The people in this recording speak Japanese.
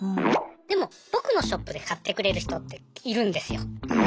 でも僕のショップで買ってくれる人っているんですよ。